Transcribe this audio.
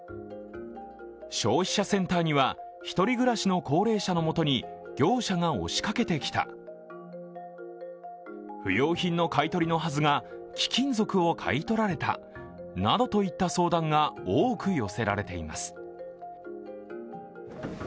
消費者センターには１人暮らしの高齢者のもとに業者が押しかけてきた、不用品の買い取りのはずが貴金属を買い取られたなどといった相談が多く寄せられています。